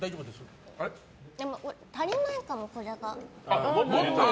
でも足りないかも、これが。